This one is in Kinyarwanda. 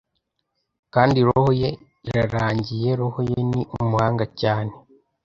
Kandi roho ye irarangiye, roho ye ni umuhanga cyane.